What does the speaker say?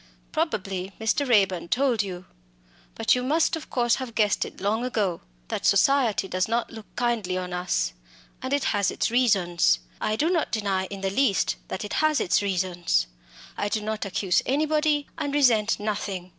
"Probably Mr. Raeburn told you but you must of course have guessed it long ago that society does not look kindly on us and has its reasons. I do not deny in the least that it has its reasons. I do not accuse anybody, and resent nothing.